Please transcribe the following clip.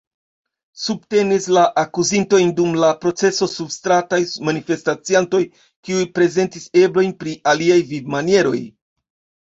Subtenis la akuzintojn dum la proceso surstrataj manifestaciantoj, kiuj prezentis eblojn pri aliaj vivmanieroj.